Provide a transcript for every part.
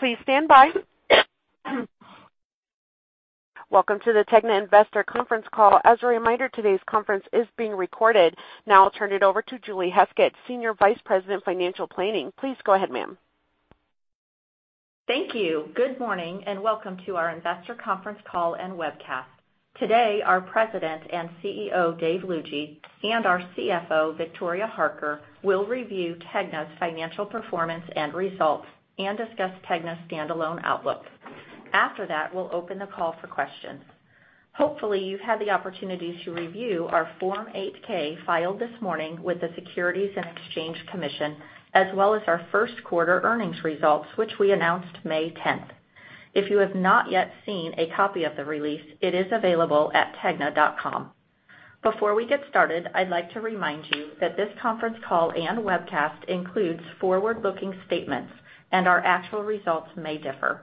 Please stand by. Welcome to the TEGNA Investor conference call. As a reminder, today's conference is being recorded. Now I'll turn it over to Julie Heskett, Senior Vice President of Financial Planning. Please go ahead, ma'am. Thank you. Good morning, and welcome to our Investor conference call and webcast. Today, our President and CEO, Dave Lougee, and our CFO, Victoria Harker, will review TEGNA's financial performance and results and discuss TEGNA's standalone outlook. After that, we'll open the call for questions. Hopefully, you've had the opportunity to review our Form 8-K filed this morning with the Securities and Exchange Commission, as well as our first quarter earnings results, which we announced May 10th. If you have not yet seen a copy of the release, it is available at TEGNA.com. Before we get started, I'd like to remind you that this conference call and webcast includes forward-looking statements and our actual results may differ.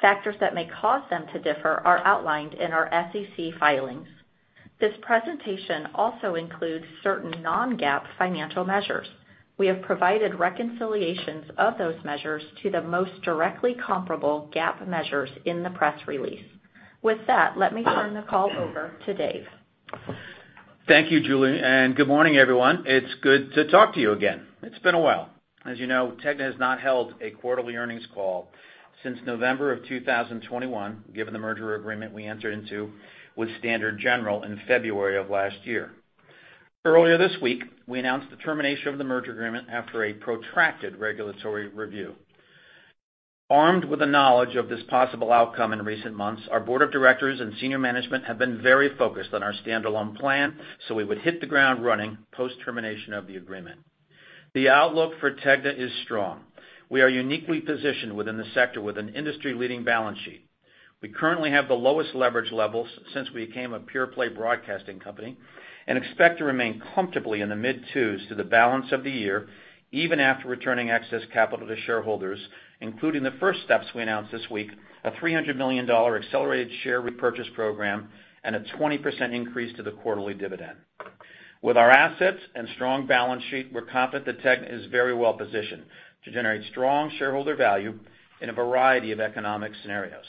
Factors that may cause them to differ are outlined in our SEC filings. This presentation also includes certain non-GAAP financial measures. We have provided reconciliations of those measures to the most directly comparable GAAP measures in the press release. With that, let me turn the call over to Dave. Thank you, Julie, and good morning, everyone. It's good to talk to you again. It's been a while. As you know, TEGNA has not held a quarterly earnings call since November of 2021, given the merger agreement we entered into with Standard General in February of last year. Earlier this week, we announced the termination of the merger agreement after a protracted regulatory review. Armed with the knowledge of this possible outcome in recent months, our board of directors and senior management have been very focused on our standalone plan, so we would hit the ground running post-termination of the agreement. The outlook for TEGNA is strong. We are uniquely positioned within the sector with an industry-leading balance sheet. We currently have the lowest leverage levels since we became a pure-play broadcasting company. We expect to remain comfortably in the mid-twos to the balance of the year, even after returning excess capital to shareholders, including the first steps we announced this week, a $300 million Accelerated Share Repurchase program and a 20% increase to the quarterly dividend. With our assets and strong balance sheet, we're confident that TEGNA is very well positioned to generate strong shareholder value in a variety of economic scenarios.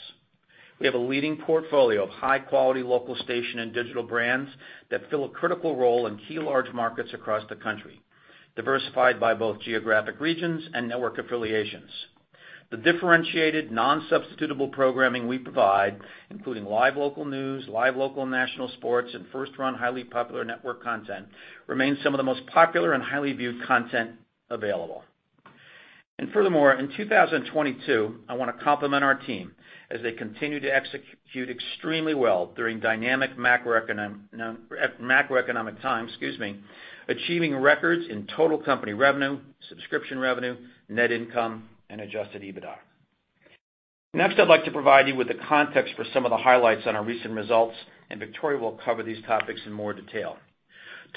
We have a leading portfolio of high-quality local station and digital brands that fill a critical role in key large markets across the country, diversified by both geographic regions and network affiliations. The differentiated, non-substitutable programming we provide, including live local news, live local and national sports, and first-run, highly popular network content, remains some of the most popular and highly viewed content available. Furthermore, in 2022, I want to compliment our team as they continue to execute extremely well during dynamic macroeconomic times, excuse me, achieving records in total company revenue, subscription revenue, net income, and adjusted EBITDA. Next, I'd like to provide you with the context for some of the highlights on our recent results, and Victoria will cover these topics in more detail.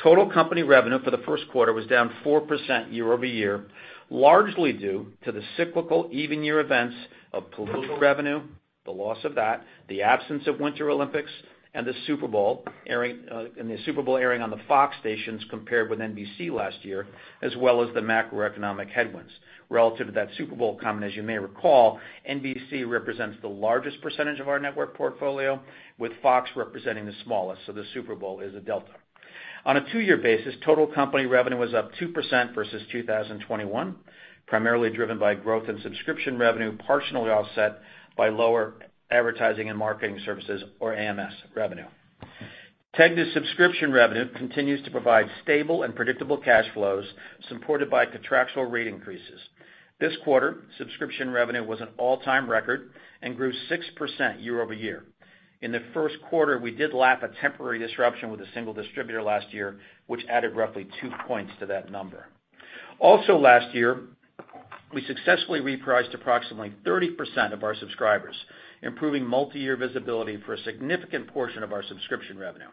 Total company revenue for the first quarter was down 4% year-over-year, largely due to the cyclical even-year events of political revenue, the loss of that, the absence of Winter Olympics and the Super Bowl airing, and the Super Bowl airing on the Fox stations compared with NBC last year, as well as the macroeconomic headwinds. Relative to that Super Bowl comment, as you may recall, NBC represents the largest percentage of our network portfolio, with Fox representing the smallest, so the Super Bowl is a delta. On a two-year basis, total company revenue was up 2% versus 2021, primarily driven by growth in subscription revenue, partially offset by lower advertising and marketing services, or AMS revenue. TEGNA's subscription revenue continues to provide stable and predictable cash flows, supported by contractual rate increases. This quarter, subscription revenue was an all-time record and grew 6% year-over-year. In the first quarter, we did lap a temporary disruption with a single distributor last year, which added roughly two points to that number. Also last year, we successfully repriced approximately 30% of our subscribers, improving multiyear visibility for a significant portion of our subscription revenue.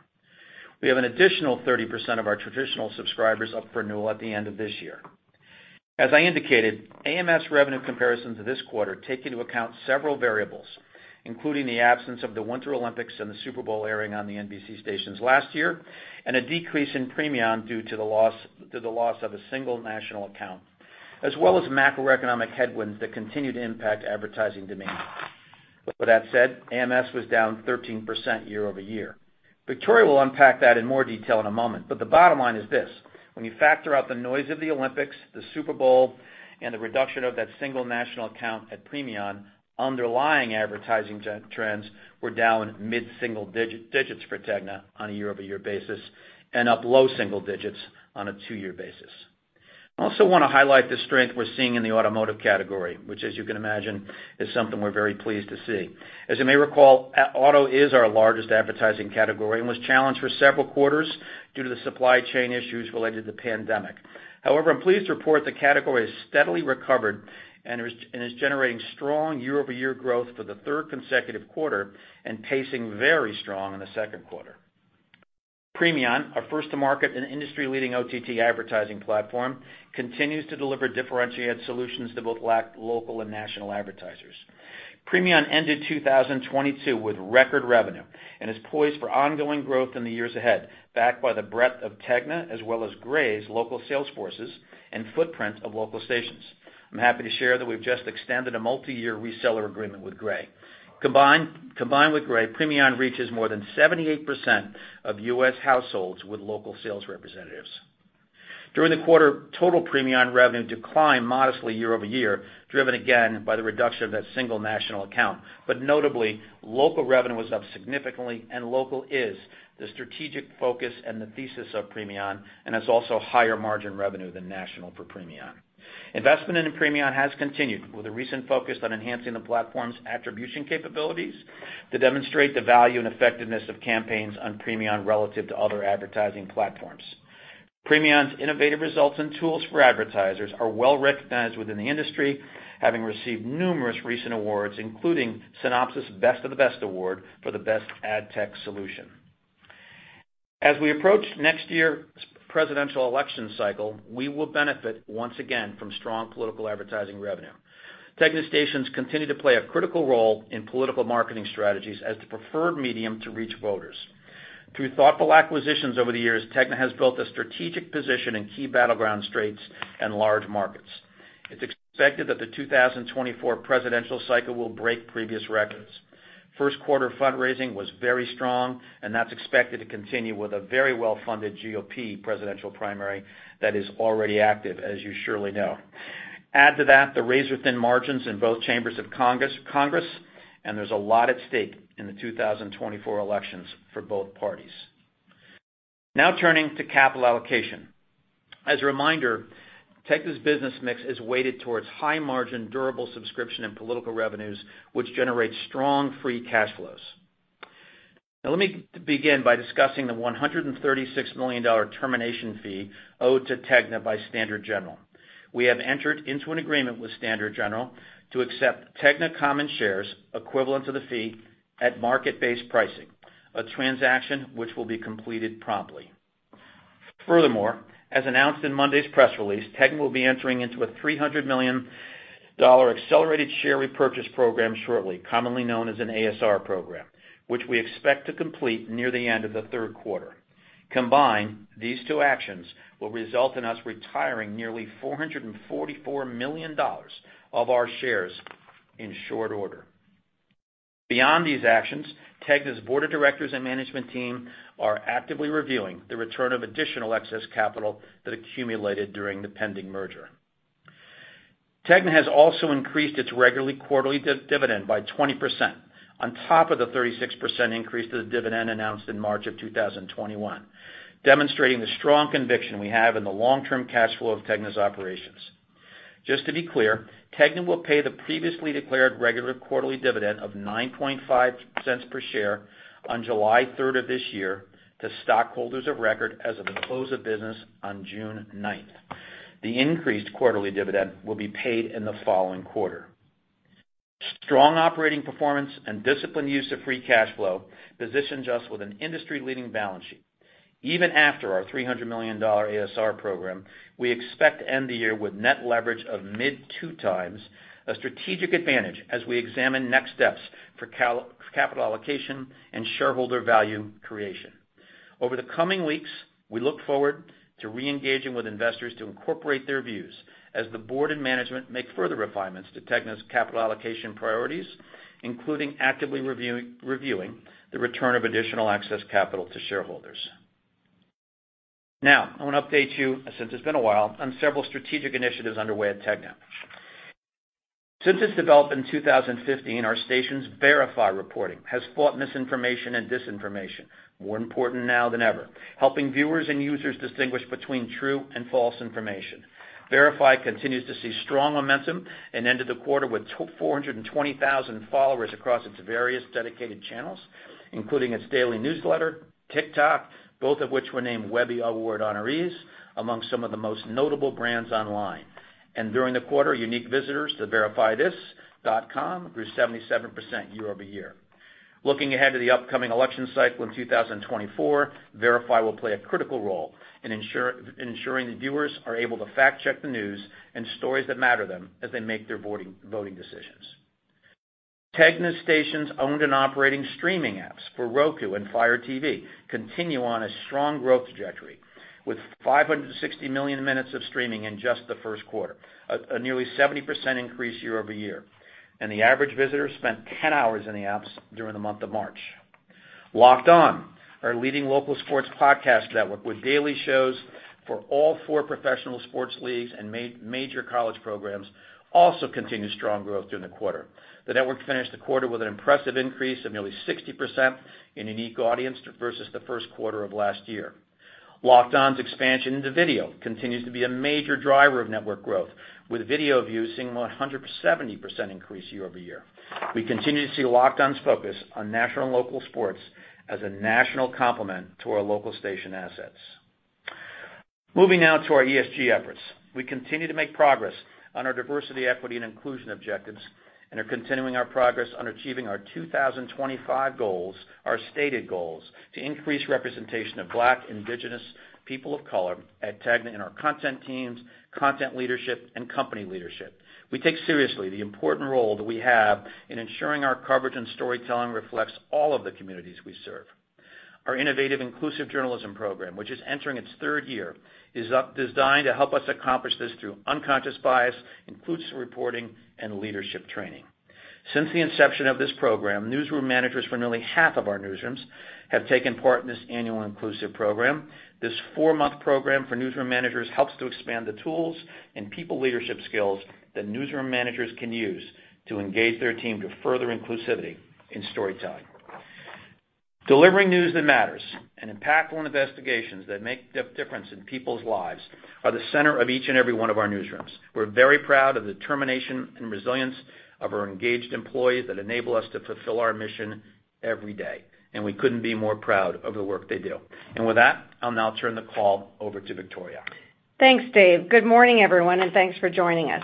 We have an additional 30% of our traditional subscribers up for renewal at the end of this year. As I indicated, AMS revenue comparisons of this quarter take into account several variables, including the absence of the Winter Olympics and the Super Bowl airing on the NBC stations last year, and a decrease in Premion due to the loss of a single national account, as well as macroeconomic headwinds that continue to impact advertising demand. With that said, AMS was down 13% year-over-year. Victoria will unpack that in more detail in a moment, but the bottom line is this: when you factor out the noise of the Olympics, the Super Bowl, and the reduction of that single national account at Premion, underlying advertising trends were down mid-single digits for TEGNA on a year-over-year basis and up low single digits on a two-year basis. I also want to highlight the strength we're seeing in the automotive category, which, as you can imagine, is something we're very pleased to see. As you may recall, auto is our largest advertising category and was challenged for several quarters due to the supply chain issues related to the pandemic. However, I'm pleased to report the category has steadily recovered and is generating strong year-over-year growth for the third consecutive quarter and pacing very strong in the second quarter. Premion, our first to market and industry-leading OTT advertising platform, continues to deliver differentiated solutions to both local and national advertisers. Premion ended 2022 with record revenue and is poised for ongoing growth in the years ahead, backed by the breadth of TEGNA, as well as Gray's local sales forces and footprint of local stations. I'm happy to share that we've just extended a multi-year reseller agreement with Gray. Combined with Gray, Premion reaches more than 78% of U.S. households with local sales representatives. During the quarter, total Premion revenue declined modestly year-over-year, driven again by the reduction of that single national account. Notably, local revenue was up significantly, and local is the strategic focus and the thesis of Premion, and has also higher margin revenue than national for Premion. Investment into Premion has continued, with a recent focus on enhancing the platform's attribution capabilities to demonstrate the value and effectiveness of campaigns on Premion relative to other advertising platforms. Premion's innovative results and tools for advertisers are well recognized within the industry, having received numerous recent awards, including Cynopsis' Best of the Best award for the best ad tech solution. As we approach next year's presidential election cycle, we will benefit once again from strong political advertising revenue. TEGNA stations continue to play a critical role in political marketing strategies as the preferred medium to reach voters. Through thoughtful acquisitions over the years, TEGNA has built a strategic position in key battleground straits and large markets. It's expected that the 2024 presidential cycle will break previous records. First quarter fundraising was very strong, and that's expected to continue with a very well-funded GOP presidential primary that is already active, as you surely know. Add to that, the razor-thin margins in both chambers of Congress, and there's a lot at stake in the 2024 elections for both parties. Turning to capital allocation. As a reminder, TEGNA's business mix is weighted towards high margin, durable subscription and political revenues, which generate strong Free Cash Flows. Let me begin by discussing the $136 million termination fee owed to TEGNA by Standard General. We have entered into an agreement with Standard General to accept TEGNA common shares equivalent to the fee at market-based pricing, a transaction which will be completed promptly. As announced in Monday's press release, TEGNA will be entering into a $300 million Accelerated Share Repurchase program shortly, commonly known as an ASR program, which we expect to complete near the end of the third quarter. Combined, these two actions will result in us retiring nearly $444 million of our shares in short order. Beyond these actions, TEGNA's Board of Directors and management team are actively reviewing the return of additional excess capital that accumulated during the pending merger. TEGNA has also increased its regularly quarterly dividend by 20% on top of the 36% increase to the dividend announced in March 2021, demonstrating the strong conviction we have in the long-term cash flow of TEGNA's operations. Just to be clear, TEGNA will pay the previously declared regular quarterly dividend of $0.095 per share on July 3rd of this year to stockholders of record as of the close of business on June 9th. The increased quarterly dividend will be paid in the following quarter. Strong operating performance and disciplined use of Free Cash Flow positions us with an industry-leading balance sheet. Even after our $300 million ASR program, we expect to end the year with net leverage of mid 2x, a strategic advantage as we examine next steps for capital allocation and shareholder value creation. Over the coming weeks, we look forward to reengaging with investors to incorporate their views as the board and management make further refinements to TEGNA's capital allocation priorities, including actively reviewing the return of additional excess capital to shareholders. I want to update you, since it's been a while, on several strategic initiatives underway at TEGNA. Since its development in 2015, our station's VERIFY reporting has fought misinformation and disinformation, more important now than ever, helping viewers and users distinguish between true and false information. VERIFY continues to see strong momentum and ended the quarter with 420,000 followers across its various dedicated channels, including its daily newsletter, TikTok, both of which were named Webby Award honorees among some of the most notable brands online. During the quarter, unique visitors to verifythis.com grew 77% year-over-year. Looking ahead to the upcoming election cycle in 2024, VERIFY will play a critical role in ensuring that viewers are able to fact-check the news and stories that matter to them as they make their voting decisions. TEGNA stations' owned and operating streaming apps for Roku and Fire TV continue on a strong growth trajectory, with 560 million minutes of streaming in just the first quarter, a nearly 70% increase year-over-year. The average visitor spent 10 hours in the apps during the month of March. Locked On, our leading local sports podcast network with daily shows for all four professional sports leagues and major college programs, also continued strong growth during the quarter. The network finished the quarter with an impressive increase of nearly 60% in unique audience versus the first quarter of last year. Locked On's expansion into video continues to be a major driver of network growth, with video views seeing 170% increase year-over-year. We continue to see Locked On's focus on national and local sports as a national complement to our local station assets. Moving now to our ESG efforts. We continue to make progress on our diversity, equity, and inclusion objectives, and are continuing our progress on achieving our 2025 goals, our stated goals, to increase representation of Black, Indigenous, people of color at TEGNA in our content teams, content leadership, and company leadership. We take seriously the important role that we have in ensuring our coverage and storytelling reflects all of the communities we serve. Our innovative Inclusive Journalism program, which is entering its third year, designed to help us accomplish this through unconscious bias, inclusive reporting, and leadership training. Since the inception of this program, newsroom managers for nearly half of our newsrooms have taken part in this annual Inclusive program. This four-month program for newsroom managers helps to expand the tools and people leadership skills that newsroom managers can use to engage their team to further inclusivity in storytelling. Delivering news that matters and impactful investigations that make difference in people's lives are the center of each and every one of our newsrooms. We're very proud of the determination and resilience of our engaged employees that enable us to fulfill our mission every day. We couldn't be more proud of the work they do. With that, I'll now turn the call over to Victoria. Thanks, Dave. Good morning, everyone, thanks for joining us.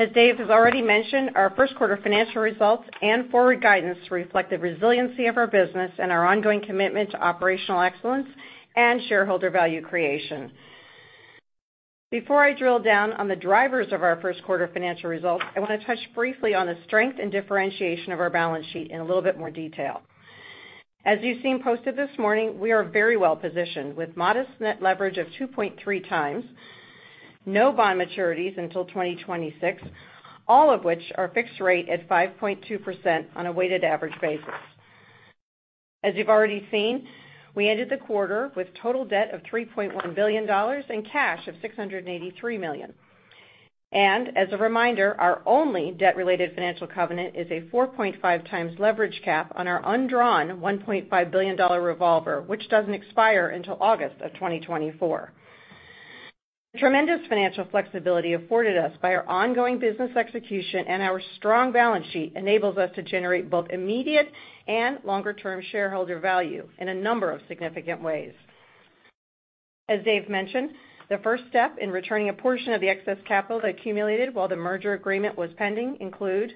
As Dave has already mentioned, our first quarter financial results and forward guidance reflect the resiliency of our business and our ongoing commitment to operational excellence and shareholder value creation. Before I drill down on the drivers of our first quarter financial results, I wanna touch briefly on the strength and differentiation of our balance sheet in a little bit more detail. As you've seen posted this morning, we are very well positioned, with modest net leverage of 2.3x, no bond maturities until 2026, all of which are fixed rate at 5.2% on a weighted average basis. As you've already seen, we ended the quarter with total debt of $3.1 billion and cash of $683 million. As a reminder, our only debt-related financial covenant is a 4.5x leverage cap on our undrawn $1.5 billion revolver, which doesn't expire until August of 2024. The tremendous financial flexibility afforded us by our ongoing business execution and our strong balance sheet enables us to generate both immediate and longer-term shareholder value in a number of significant ways. As Dave mentioned, the first step in returning a portion of the excess capital that accumulated while the merger agreement was pending include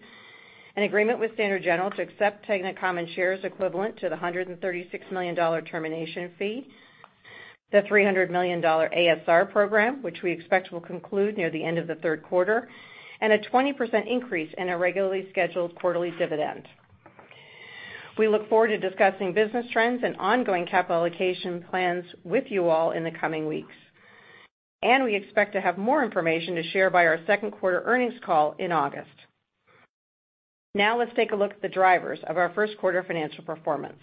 an agreement with Standard General to accept TEGNA common shares equivalent to the $136 million termination fee, the $300 million ASR program, which we expect will conclude near the end of the third quarter, and a 20% increase in a regularly scheduled quarterly dividend. We look forward to discussing business trends and ongoing capital allocation plans with you all in the coming weeks. We expect to have more information to share by our second quarter earnings call in August. Now, let's take a look at the drivers of our first quarter financial performance.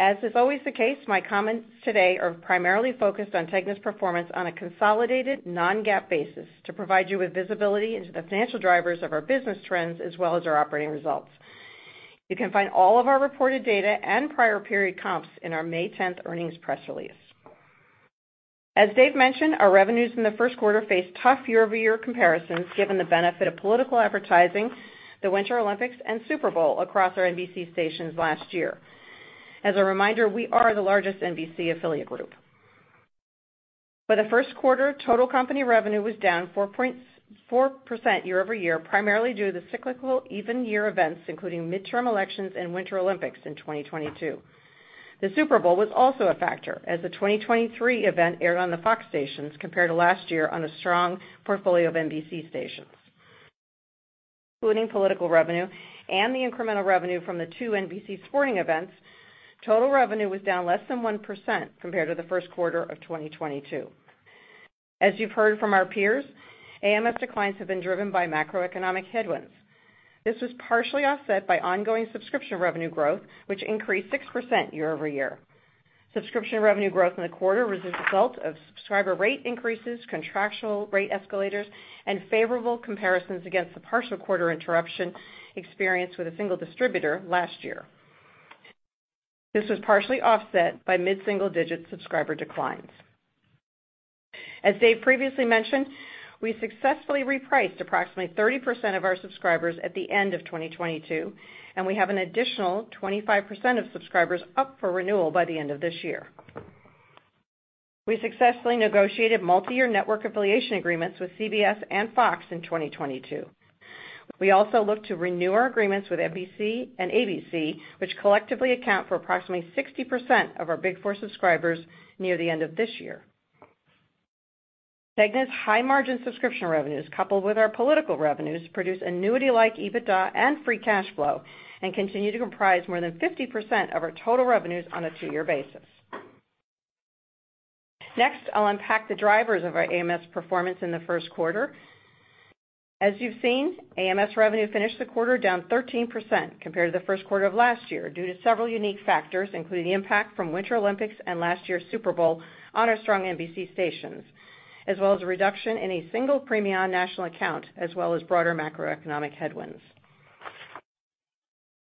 As is always the case, my comments today are primarily focused on TEGNA's performance on a consolidated non-GAAP basis to provide you with visibility into the financial drivers of our business trends, as well as our operating results. You can find all of our reported data and prior period comps in our May 10th earnings press release. As Dave mentioned, our revenues in the first quarter faced tough year-over-year comparisons, given the benefit of political advertising, the Winter Olympics, and Super Bowl across our NBC stations last year. As a reminder, we are the largest NBC affiliate group. For the first quarter, total company revenue was down 4.4% year-over-year, primarily due to the cyclical even year events, including midterm elections and Winter Olympics in 2022. The Super Bowl was also a factor, as the 2023 event aired on the Fox stations compared to last year on a strong portfolio of NBC stations. Including political revenue and the incremental revenue from the two NBC sporting events, total revenue was down less than 1% compared to the first quarter of 2022. As you've heard from our peers, AMS declines have been driven by macroeconomic headwinds. This was partially offset by ongoing subscription revenue growth, which increased 6% year-over-year. Subscription revenue growth in the quarter was a result of subscriber rate increases, contractual rate escalators, and favorable comparisons against the partial quarter interruption experienced with a single distributor last year. This was partially offset by mid-single-digit subscriber declines. As Dave previously mentioned, we successfully repriced approximately 30% of our subscribers at the end of 2022, and we have an additional 25% of subscribers up for renewal by the end of this year. We successfully negotiated multiyear network affiliation agreements with CBS and Fox in 2022. We also look to renew our agreements with NBC and ABC, which collectively account for approximately 60% of our Big Four subscribers near the end of this year. TEGNA's high-margin subscription revenues, coupled with our political revenues, produce annuity-like EBITDA and Free Cash Flow and continue to comprise more than 50% of our total revenues on a two-year basis. Next, I'll unpack the drivers of our AMS performance in the first quarter. As you've seen, AMS revenue finished the quarter down 13% compared to the first quarter of last year due to several unique factors, including the impact from Winter Olympics and last year's Super Bowl on our strong NBC stations, as well as a reduction in a single premium on national account, as well as broader macroeconomic headwinds.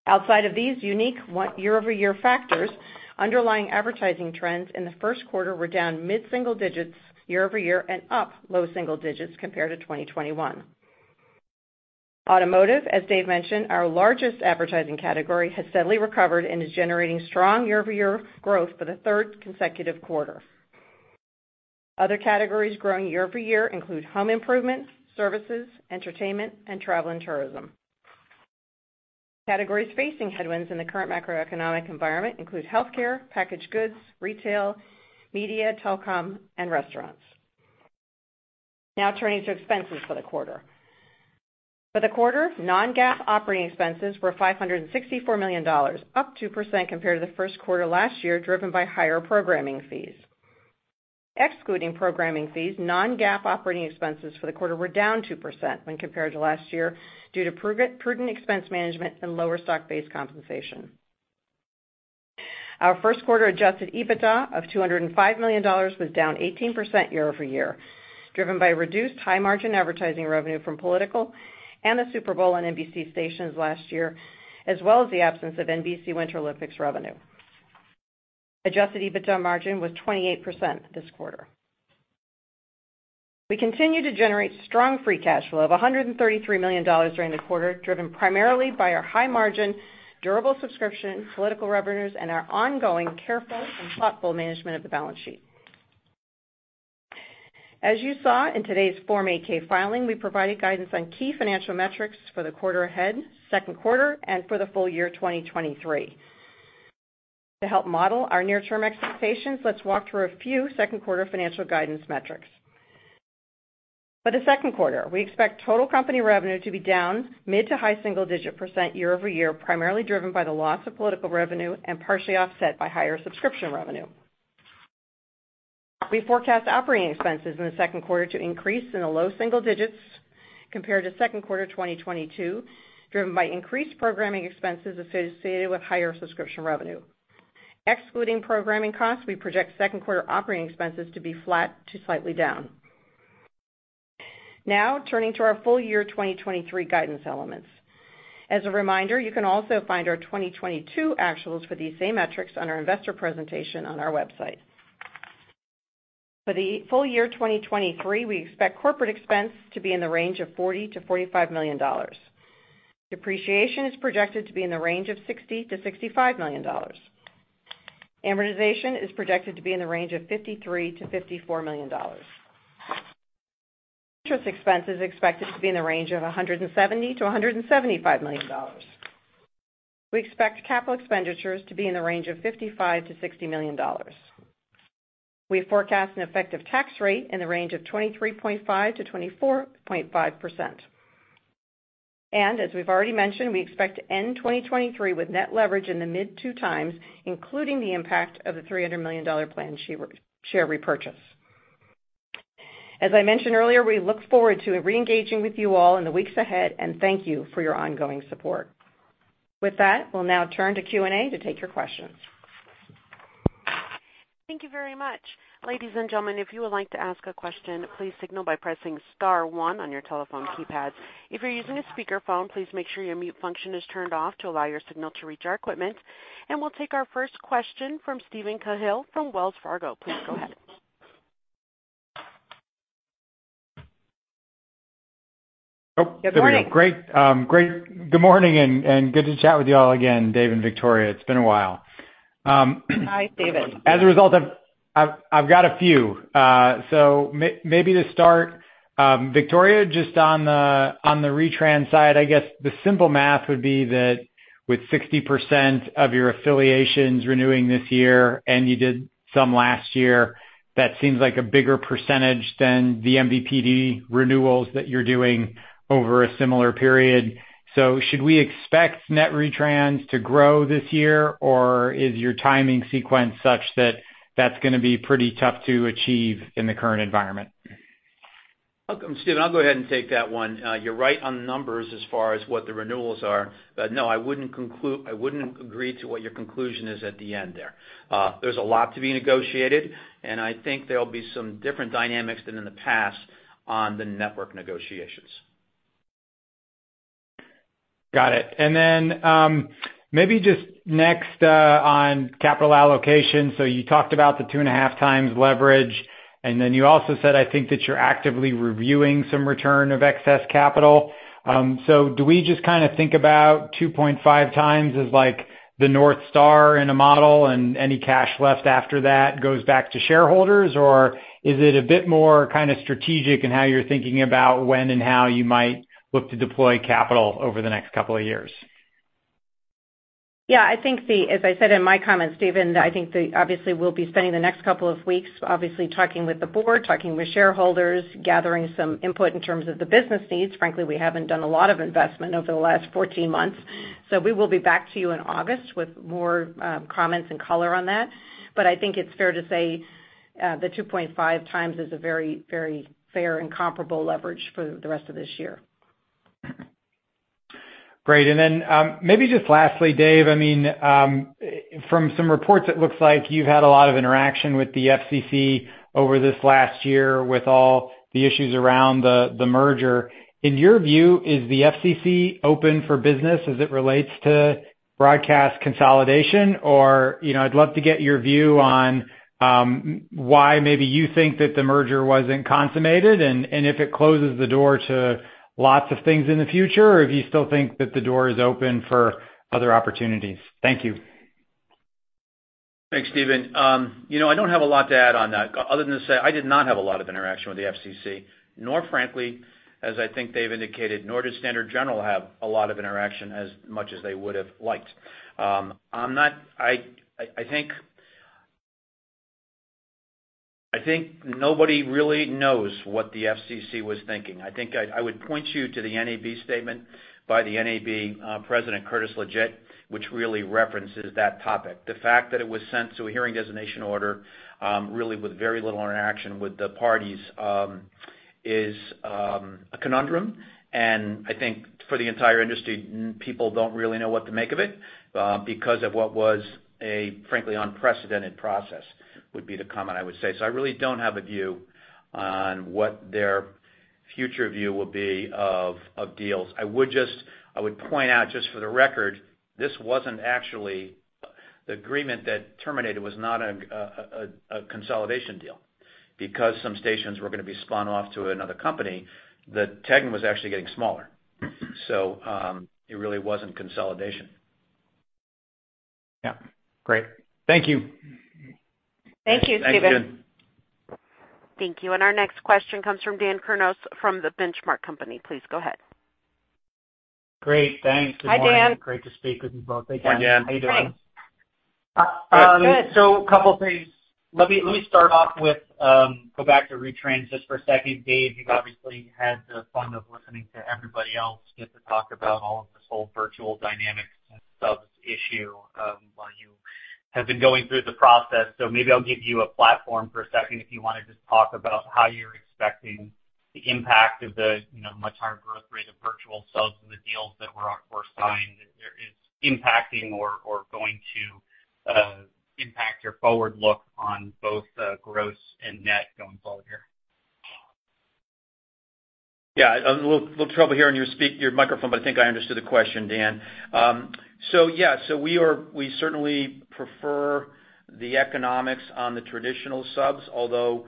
Outside of these unique year-over-year factors, underlying advertising trends in the first quarter were down mid-single digits year-over-year and up low single digits compared to 2021. Automotive, as Dave mentioned, our largest advertising category, has steadily recovered and is generating strong year-over-year growth for the third consecutive quarter. Other categories growing year-over-year include home improvement, services, entertainment, and travel and tourism. Categories facing headwinds in the current macroeconomic environment include healthcare, packaged goods, retail, media, telecom, and restaurants. Now turning to expenses for the quarter. For the quarter, non-GAAP operating expenses were $564 million, up 2% compared to the first quarter last year, driven by higher programming fees. Excluding programming fees, non-GAAP operating expenses for the quarter were down 2% when compared to last year, due to prudent expense management and lower stock-based compensation. Our first quarter adjusted EBITDA of $205 million was down 18% year-over-year, driven by reduced high-margin advertising revenue from political and the Super Bowl on NBC stations last year, as well as the absence of NBC Winter Olympics revenue. Adjusted EBITDA margin was 28% this quarter. We continue to generate strong Free Cash Flow of $133 million during the quarter, driven primarily by our high-margin, durable subscription, political revenues, and our ongoing careful and thoughtful management of the balance sheet. As you saw in today's Form 8-K filing, we provided guidance on key financial metrics for the quarter ahead, second quarter, and for the full year 2023. To help model our near-term expectations, let's walk through a few second quarter financial guidance metrics. For the second quarter, we expect total company revenue to be down mid to high single-digit percent year-over-year, primarily driven by the loss of political revenue and partially offset by higher subscription revenue. We forecast operating expenses in the second quarter to increase in the low single digits compared to second quarter 2022, driven by increased programming expenses associated with higher subscription revenue. Excluding programming costs, we project second quarter operating expenses to be flat to slightly down. Turning to our full year 2023 guidance elements. As a reminder, you can also find our 2022 actuals for these same metrics on our Investor presentation on our website. For the full year 2023, we expect corporate expense to be in the range of $40 million-$45 million. Depreciation is projected to be in the range of $60 million-$65 million. Amortization is projected to be in the range of $53 million-$54 million. Interest expense is expected to be in the range of $170 million-$175 million. We expect capital expenditures to be in the range of $55 million-$60 million. We forecast an effective tax rate in the range of 23.5%-24.5%. As we've already mentioned, we expect to end 2023 with net leverage in the mid 2x, including the impact of the $300 million planned share repurchase. As I mentioned earlier, we look forward to reengaging with you all in the weeks ahead, and thank you for your ongoing support. With that, we'll now turn to Q&A to take your questions. Thank you very much. Ladies and gentlemen, if you would like to ask a question, please signal by pressing star one on your telephone keypad. If you're using a speakerphone, please make sure your mute function is turned off to allow your signal to reach our equipment. We'll take our first question from Steven Cahall from Wells Fargo. Please go ahead. Oh, good morning. Good morning, and good to chat with you all again, Dave and Victoria. It's been a while. Hi, Steven. As a result, I've got a few. Maybe to start, Victoria, just on the retrans side, I guess the simple math would be that with 60% of your affiliations renewing this year, and you did some last year, that seems like a bigger percentage than the MVPD renewals that you're doing over a similar period. Should we expect net retrans to grow this year, or is your timing sequence such that that's gonna be pretty tough to achieve in the current environment? Welcome, Steven, I'll go ahead and take that one. You're right on the numbers as far as what the renewals are. No, I wouldn't agree to what your conclusion is at the end there. There's a lot to be negotiated, I think there'll be some different dynamics than in the past on the network negotiations. Got it. Maybe just next on capital allocation. You talked about the 2.5x leverage, and then you also said, I think, that you're actively reviewing some return of excess capital. Do we just kind of think about 2.5x as like the North Star in a model, and any cash left after that goes back to shareholders? Or is it a bit more kind of strategic in how you're thinking about when and how you might look to deploy capital over the next couple of years? Yeah, I think as I said in my comments, Steven, I think obviously, we'll be spending the next couple of weeks, obviously, talking with the Board, talking with shareholders, gathering some input in terms of the business needs. Frankly, we haven't done a lot of investment over the last 14 months, so we will be back to you in August with more comments and color on that. I think it's fair to say, the 2.5x is a very, very fair and comparable leverage for the rest of this year. Great. maybe just lastly, Dave, I mean, from some reports, it looks like you've had a lot of interaction with the FCC over this last year, with all the issues around the merger. In your view, is the FCC open for business as it relates to broadcast consolidation? Or, you know, I'd love to get your view on why maybe you think that the merger wasn't consummated, and if it closes the door to lots of things in the future, or if you still think that the door is open for other opportunities. Thank you. Thanks, Steven. You know, I don't have a lot to add on that, other than to say I did not have a lot of interaction with the FCC, nor frankly, as I think they've indicated, nor does Standard General have a lot of interaction as much as they would have liked. I think nobody really knows what the FCC was thinking. I think I would point you to the NAB statement by the NAB President Curtis LeGeyt, which really references that topic. The fact that it was sent to a Hearing Designation Order, really with very little interaction with the parties, is a conundrum, and I think for the entire industry, people don't really know what to make of it, because of what was a frankly unprecedented process, would be the comment I would say. I really don't have a view on what their future view will be of deals. I would point out, just for the record, this wasn't actually, the agreement that terminated was not a consolidation deal. Because some stations were gonna be spun off to another company, the TEGNA was actually getting smaller. It really wasn't consolidation. Yeah. Great. Thank you. Thank you, Steven. Thank you. Thank you. Our next question comes from Dan Kurnos from The Benchmark Company. Please go ahead. Great, thanks. Hi, Dan. Good morning. Great to speak with you both. Hi, Dan. How you doing? Thanks. A couple things. Let me start off with, go back to retrans just for a second. Dave, you've obviously had the fun of listening to everybody else get to talk about all of this whole virtual dynamic subs issue, while you have been going through the process. Maybe I'll give you a platform for a second if you wanna just talk about how you're expecting the impact of the, you know, much higher growth rate of virtual subs and the deals that were signed, there is impacting or going to impact your forward look on both gross and net going forward here. Yeah, a little trouble hearing your microphone, but I think I understood the question, Dan. We certainly prefer the economics on the traditional subs, although,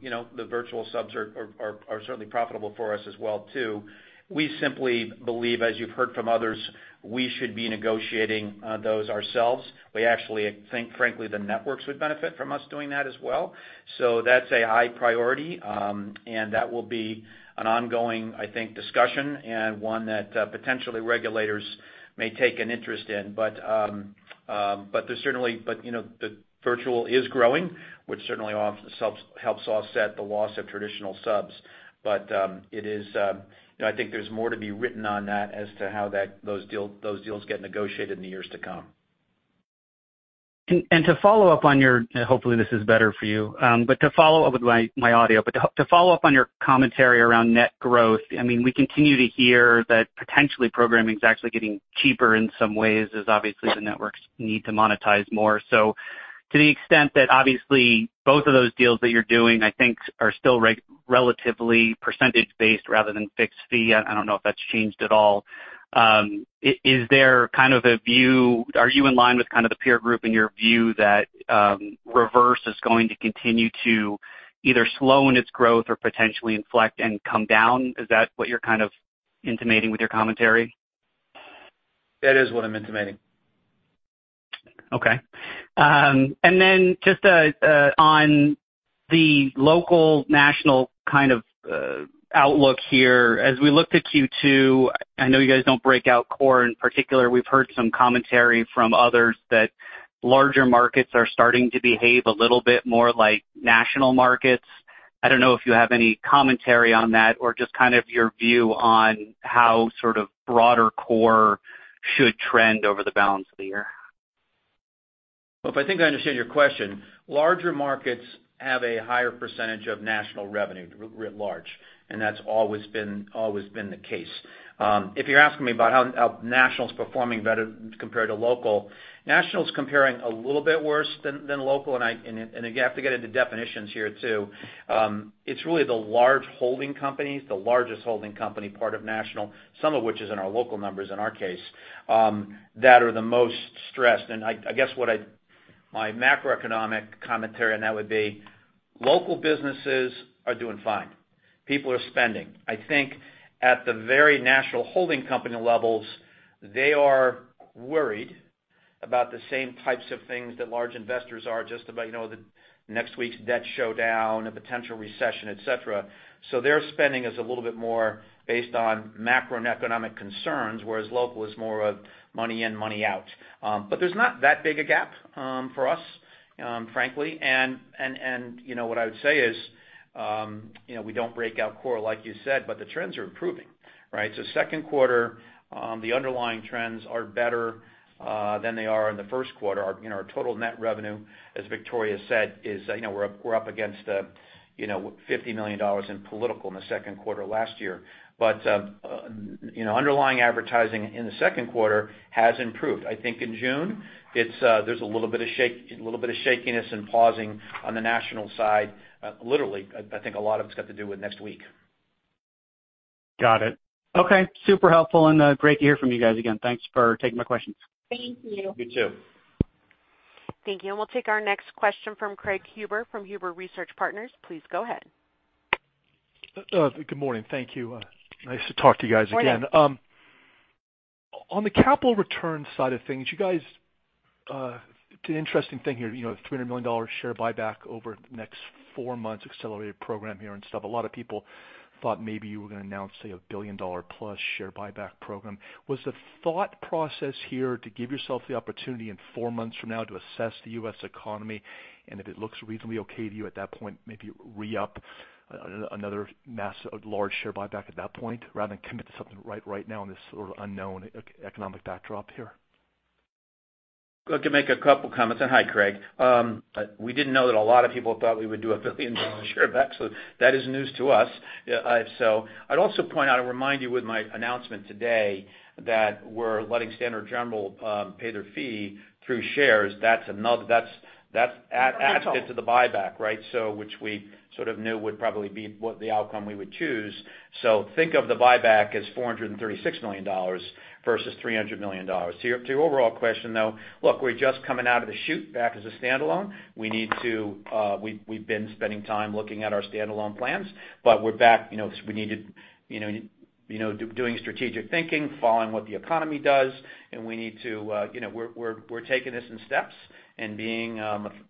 you know, the virtual subs are certainly profitable for us as well, too. We simply believe, as you've heard from others, we should be negotiating those ourselves. We actually think, frankly, the networks would benefit from us doing that as well. That's a high priority, and that will be an ongoing, I think, discussion and one that potentially regulators may take an interest in. There's certainly, you know, the virtual is growing, which certainly subs helps offset the loss of traditional subs. It is, you know, I think there's more to be written on that as to how those deals get negotiated in the years to come. To follow up on your hopefully, this is better for you, but to follow up with my audio. To follow up on your commentary around net growth, I mean, we continue to hear that potentially programming is actually getting cheaper in some ways, as obviously the networks need to monetize more. To the extent that obviously both of those deals that you're doing, I think are still relatively percentage based rather than fixed fee, I don't know if that's changed at all. Is there kind of a view, are you in line with kind of the peer group in your view that reverse is going to continue to either slow in its growth or potentially inflect and come down? Is that what you're kind of intimating with your commentary? That is what I'm intimating. Okay. Just on the local, national kind of outlook here. As we looked at Q2, I know you guys don't break out core in particular. We've heard some commentary from others that larger markets are starting to behave a little bit more like national markets. I don't know if you have any commentary on that or just kind of your view on how sort of broader core should trend over the balance of the year. If I think I understand your question, larger markets have a higher percentage of national revenue, writ large, and that's always been the case. If you're asking me about how national is performing better compared to local, national is comparing a little bit worse than local, and you have to get into definitions here, too. It's really the large holding companies, the largest holding company, part of national, some of which is in our local numbers, in our case, that are the most stressed. I guess my macroeconomic commentary on that would be, local businesses are doing fine. People are spending. I think at the very national holding company levels, they are worried about the same types of things that large investors are just about, you know, the next week's debt showdown, a potential recession, et cetera. Their spending is a little bit more based on macroeconomic concerns, whereas local is more of money in, money out. There's not that big a gap for us, frankly. You know, what I would say is, you know, we don't break out core, like you said, but the trends are improving, right? Second quarter, the underlying trends are better than they are in the first quarter. Our, you know, our total net revenue, as Victoria said, is, you know, we're up, we're up against, you know, $50 million in political in the second quarter last year. You know, underlying advertising in the second quarter has improved. I think in June, it's, there's a little bit of shakiness and pausing on the national side. Literally, I think a lot of it's got to do with next week. Got it. Okay. Super helpful, and great to hear from you guys again. Thanks for taking my questions. Thank you. You, too. Thank you, we'll take our next question from Craig Huber, from Huber Research Partners. Please go ahead. Good morning. Thank you. Nice to talk to you guys again. On the capital return side of things, you guys, you know, a $300 million share buyback over the next four months, accelerated program here and stuff. A lot of people thought maybe you were going to announce, say, a $1 billion+ share buyback program. Was the thought process here to give yourself the opportunity in four months from now to assess the U.S. economy, and if it looks reasonably okay to you at that point, maybe re-up another large share buyback at that point, rather than commit to something right now in this sort of unknown economic backdrop here? Look, I can make a couple comments, and hi, Craig. We didn't know that a lot of people thought we would do a $1 billion share buyback, so that is news to us. I'd also point out and remind you with my announcement today, that we're letting Standard General pay their fee through shares. That's another, that's added to the buyback, right? Which we sort of knew would probably be what the outcome we would choose. Think of the buyback as $436 million versus $300 million. To your overall question, though, look, we're just coming out of the chute back as a standalone. We need to, we've been spending time looking at our standalone plans, but we're back. You know, we needed, you know, doing strategic thinking, following what the economy does, and we need to, you know, we're taking this in steps and being,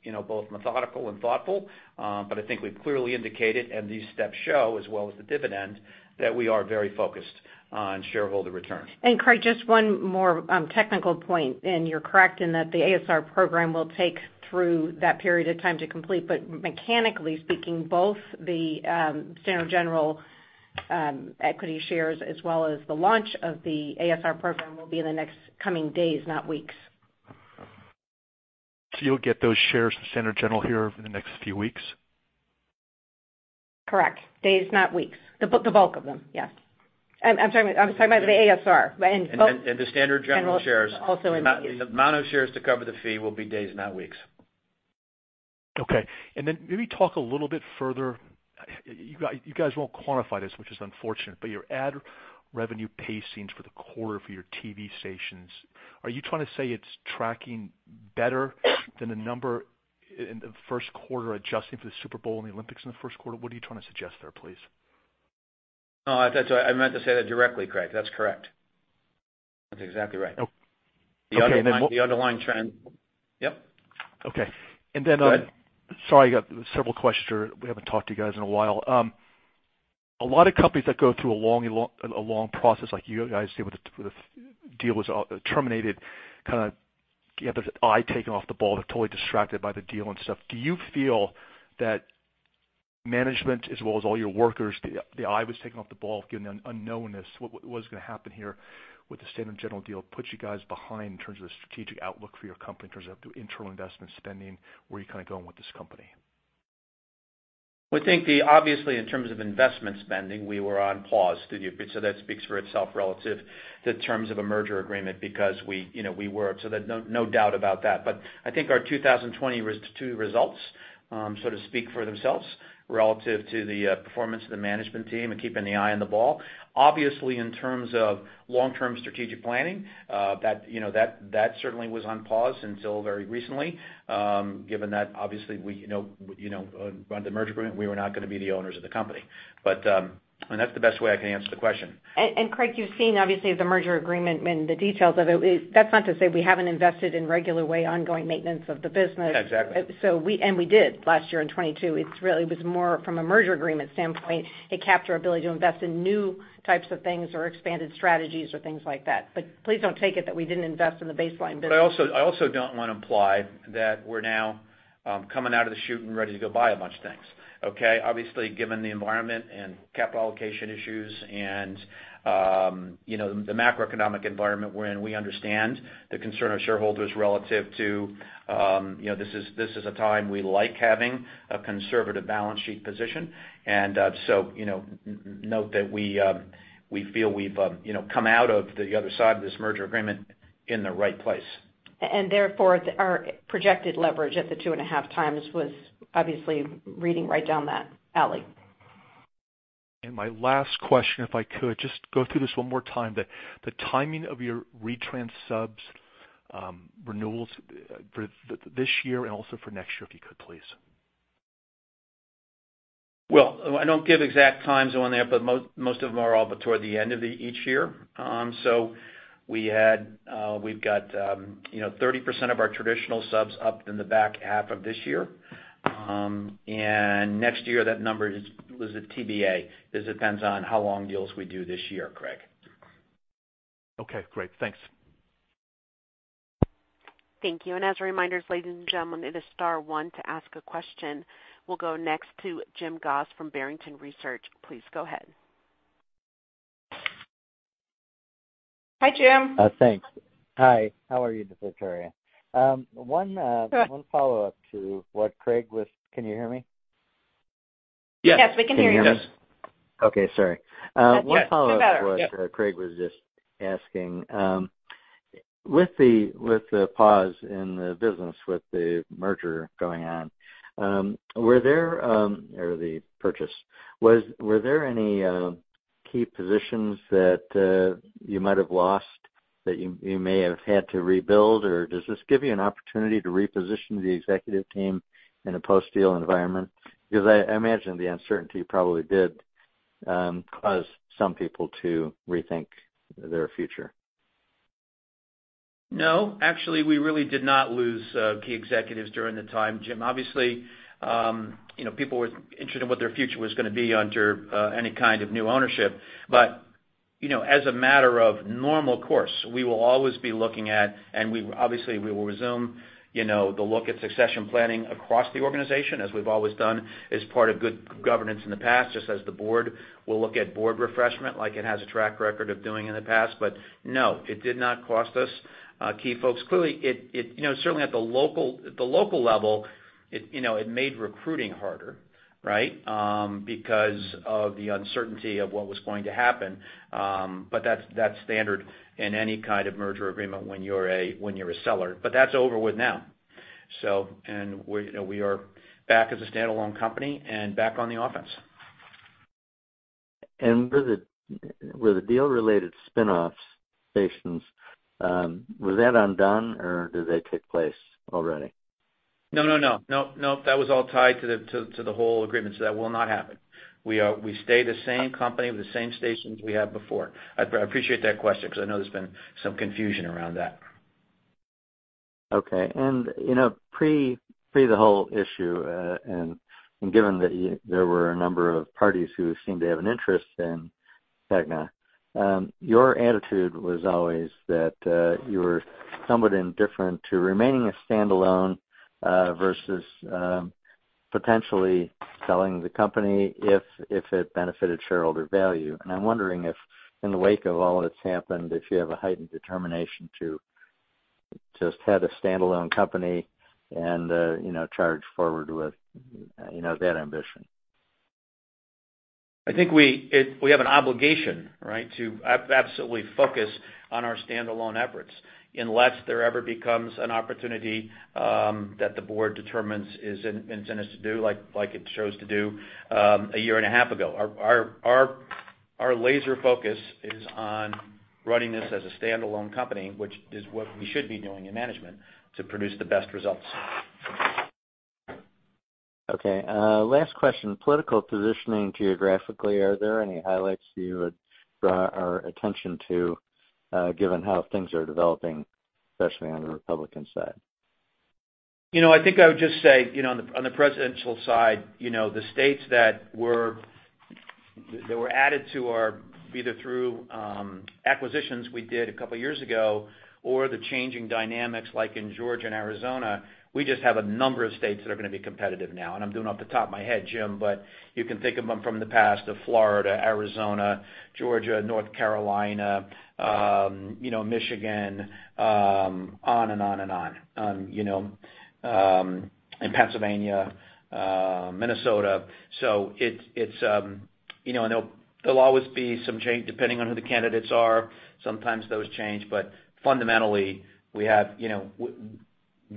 you know, both methodical and thoughtful. I think we've clearly indicated, and these steps show, as well as the dividend, that we are very focused on shareholder returns. Craig, just one more, technical point, and you're correct in that the ASR program will take through that period of time to complete. Mechanically speaking, both the Standard General equity shares as well as the launch of the ASR program will be in the next coming days, not weeks. You'll get those shares to Standard General here over the next few weeks? Correct. Days, not weeks. The bulk of them, yes. I'm sorry, I was talking about the ASR. The Standard General shares. Also- The amount of shares to cover the fee will be days, not weeks. Okay. Then maybe talk a little bit further. You guys won't quantify this, which is unfortunate, but your ad revenue pacings for the quarter for your TV stations, are you trying to say it's tracking better than the number in the first quarter, adjusting for the Super Bowl and the Olympics in the first quarter? What are you trying to suggest there, please? That's right. I meant to say that directly, Craig. That's correct. That's exactly right. Okay. The underlying trend. Yep. Okay. Then, Go ahead. Sorry, I got several questions here. We haven't talked to you guys in a while. A lot of companies that go through a long process like you guys did, with the deal was terminated, kind of get the eye taken off the ball. They're totally distracted by the deal and stuff. Do you feel that management as well as all your workers, the eye was taken off the ball, given the unknown-ness, what was going to happen here with the Standard General deal, put you guys behind in terms of the strategic outlook for your company, in terms of internal investment spending, where you're kind of going with this company? We think in terms of investment spending, we were on pause, that speaks for itself relative to the terms of a merger agreement, because we, you know, we were. There's no doubt about that. I think our 2022 results sort of speak for themselves relative to the performance of the management team and keeping the eye on the ball. In terms of long-term strategic planning, that, you know, that certainly was on pause until very recently, given that obviously we, you know, under the merger agreement, we were not going to be the owners of the company. That's the best way I can answer the question. Craig Huber, you've seen obviously the merger agreement and the details of it. That's not to say we haven't invested in regular way, ongoing maintenance of the business. Exactly. We did last year in 2022. It's really was more from a merger agreement standpoint, it capped our ability to invest in new types of things or expanded strategies or things like that. Please don't take it that we didn't invest in the baseline business. I also don't want to imply that we're now coming out of the chute and ready to go buy a bunch of things, okay? Obviously, given the environment and capital allocation issues and, you know, the macroeconomic environment we're in, we understand the concern of shareholders relative to, you know, this is a time we like having a conservative balance sheet position. You know, note that we feel we've, you know, come out of the other side of this merger agreement in the right place. Therefore, our projected leverage at the 2.5x was obviously reading right down that alley. My last question, if I could, just go through this one more time, the timing of your retrans subs, renewals for this year and also for next year, if you could, please. I don't give exact times on there, but most of them are all toward the end of the each year. We've got, you know, 30% of our traditional subs up in the back half of this year. Next year, that number is, was a TBA. This depends on how long deals we do this year, Craig. Okay, great. Thanks. Thank you. As a reminder, ladies and gentlemen, it is star one to ask a question. We'll go next to Jim Goss from Barrington Research. Please go ahead. Hi, Jim. Thanks. Hi, how are you this morning? One. Good One follow-up to what Craig was can you hear me? Yes, we can hear you. Yes. Okay, sorry. That's better. One follow-up to what Craig was just asking. With the pause in the business, with the merger going on, or the purchase, were there any key positions that you might have lost, that you may have had to rebuild, or does this give you an opportunity to reposition the executive team in a post-deal environment? Because I imagine the uncertainty probably did cause some people to rethink their future? No, actually, we really did not lose key executives during the time, Jim. Obviously, you know, people were interested in what their future was gonna be under any kind of new ownership. You know, as a matter of normal course, we will always be looking at, and we obviously, we will resume, you know, the look at succession planning across the organization, as we've always done, as part of good governance in the past, just as the Board will look at Board refreshment like it has a track record of doing in the past. No, it did not cost us key folks. Clearly, it, you know, certainly at the local level, it, you know, it made recruiting harder, right? Because of the uncertainty of what was going to happen. That's standard in any kind of merger agreement when you're a, when you're a seller, but that's over with now. We're, you know, we are back as a standalone company and back on the offense. Were the deal-related spin-offs stations, was that undone, or did they take place already? No, no. Nope, nope, that was all tied to the whole agreement. That will not happen. We stay the same company with the same stations we had before. I'd appreciate that question because I know there's been some confusion around that. Okay. You know, pre the whole issue, and given that there were a number of parties who seemed to have an interest in TEGNA, your attitude was always that you were somewhat indifferent to remaining a standalone versus potentially selling the company if it benefited shareholder value. I'm wondering if, in the wake of all that's happened, if you have a heightened determination to just have a standalone company and, you know, charge forward with, you know, that ambition. I think we have an obligation, right, to absolutely focus on our standalone efforts. Unless there ever becomes an opportunity that the board determines is in us to do, like it chose to do a year and a half ago. Our laser focus is on running this as a standalone company, which is what we should be doing in management to produce the best results. Okay, last question: political positioning geographically, are there any highlights you would draw our attention to, given how things are developing, especially on the Republican side? You know, I think I would just say, you know, on the presidential side, you know, the states that were added to our, either through, acquisitions we did two years ago, or the changing dynamics, like in Georgia and Arizona, we just have a number of states that are gonna be competitive now. I'm doing off the top of my head, Jim, but you can think of them from the past of Florida, Arizona, Georgia, North Carolina, you know, Michigan, on and on and on. You know, and Pennsylvania, Minnesota. It's, you know, and there'll always be some change, depending on who the candidates are. Sometimes those change, but fundamentally, we have, you know,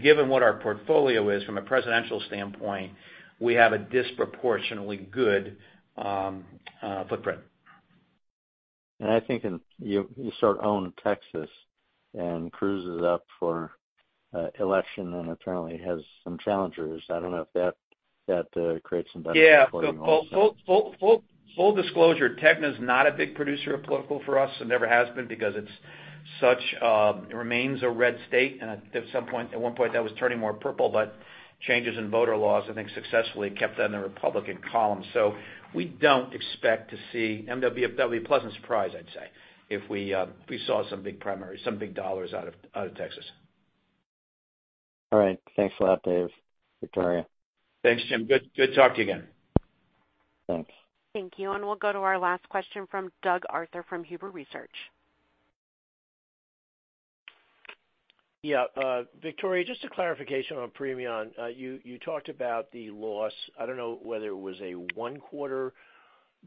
given what our portfolio is from a presidential standpoint, we have a disproportionately good, footprint. I think in, you sort of own Texas, and Cruz is up for election and apparently has some challengers. I don't know if that creates some better- Yeah. Full disclosure, TEGNA is not a big producer of political for us and never has been because it remains a red state, and at some point, at one point, that was turning more purple. Changes in voter laws, I think, successfully kept that in the Republican column. We don't expect to see. It would be a pleasant surprise, I'd say, if we saw some big primary, some big dollars out of Texas. All right. Thanks a lot, Dave, Victoria. Thanks, Jim. Good talking to you again. Thanks. Thank you, and we'll go to our last question from Doug Arthur from Huber Research. Yeah, Victoria, just a clarification on Premion. You, you talked about the loss. I don't know whether it was a one-quarter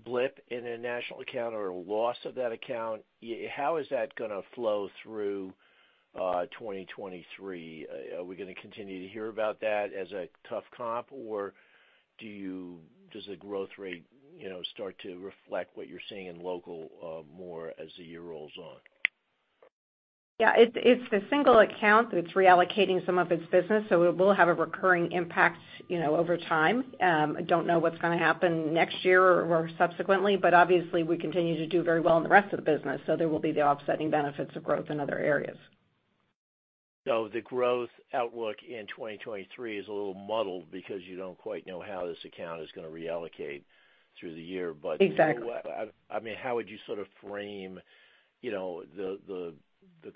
blip in a national account or a loss of that account. How is that gonna flow through, 2023? Are we gonna continue to hear about that as a tough comp, or do you, does the growth rate, you know, start to reflect what you're seeing in local, more as the year rolls on? Yeah, it's the single account that's reallocating some of its business, so it will have a recurring impact, you know, over time. I don't know what's gonna happen next year or subsequently, but obviously, we continue to do very well in the rest of the business, so there will be the offsetting benefits of growth in other areas. The growth outlook in 2023 is a little muddled because you don't quite know how this account is gonna reallocate through the year. Exactly. I mean, how would you sort of frame, you know, the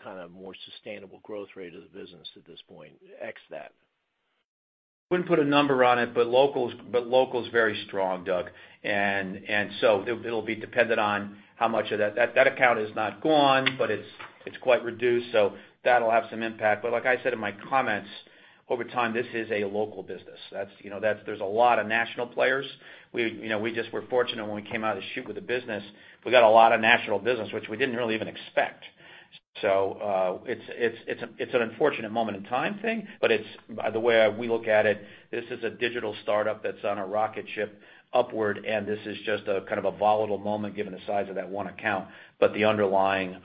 kind of more sustainable growth rate of the business at this point, x that? Wouldn't put a number on it, but local is very strong, Doug, it'll be dependent on how much of that account is not gone, but it's quite reduced, so that'll have some impact. Like I said in my comments, over time, this is a local business. That's, you know, there's a lot of national players. We, you know, we just were fortunate when we came out of the chute with the business, we got a lot of national business, which we didn't really even expect. It's an unfortunate moment in time thing, but by the way, we look at it, this is a digital startup that's on a rocket ship upward, and this is just a kind of a volatile moment, given the size of that one account. The underlying,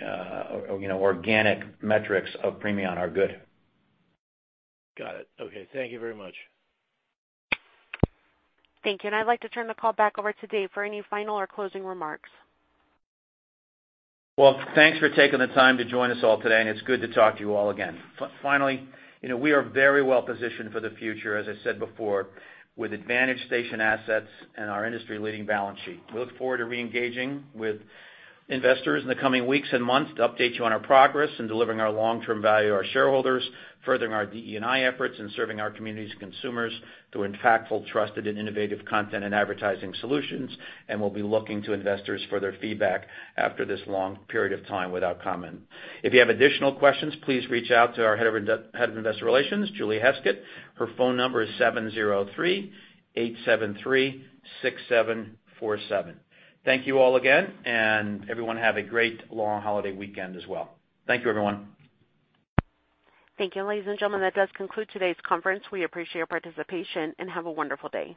you know, organic metrics of Premion are good. Got it. Okay. Thank you very much. Thank you, and I'd like to turn the call back over to Dave for any final or closing remarks. Well, thanks for taking the time to join us all today, and it's good to talk to you all again. Finally, you know, we are very well positioned for the future, as I said before, with advantage station assets and our industry-leading balance sheet. We look forward to reengaging with investors in the coming weeks and months to update you on our progress in delivering our long-term value to our shareholders, furthering our DE&I efforts, and serving our communities and consumers through impactful, trusted, and innovative content and advertising solutions. We'll be looking to investors for their feedback after this long period of time without comment. If you have additional questions, please reach out to our Head of Investor Relations, Julie Heskett. Her phone number is 703-873-6747. Thank you all again, and everyone have a great long holiday weekend as well. Thank you, everyone. Thank you, ladies and gentlemen. That does conclude today's conference. We appreciate your participation, and have a wonderful day.